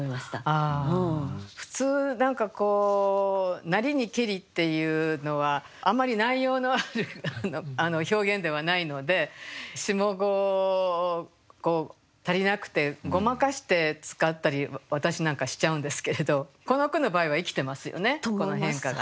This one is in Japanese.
普通何かこう「なりにけり」っていうのはあんまり内容のある表現ではないので下五足りなくてごまかして使ったり私なんかしちゃうんですけれどこの句の場合は生きてますよね。と思いますはい。